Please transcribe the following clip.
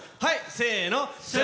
せの。